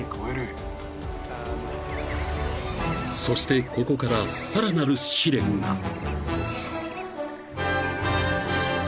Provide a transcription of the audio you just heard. ［そしてここからさらなる試練が］